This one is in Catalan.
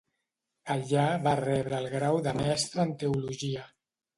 Allà va rebre el grau de mestre en Teologia.